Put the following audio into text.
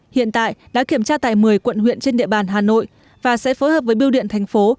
hiện tại đã kiểm tra tại một mươi quận huyện trên địa bàn hà nội và sẽ phối hợp với biêu điện thành phố